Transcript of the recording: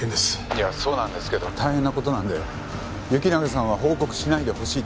いやそうなんですけど大変な事なんで行永さんは報告しないでほしいと言ってます。